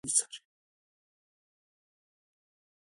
هغه د خپلو عسکرو تعقیب کوي او لاروي څاري.